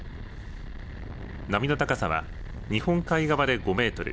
波の高さは日本海側で５メートル